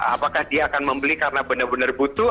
apakah dia akan membeli karena benar benar butuh